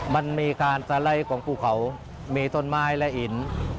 มันมีการสะไร้ของคู่เขามีส้นไม้และอิ่น